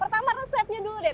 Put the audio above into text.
pertama resepnya dulu deh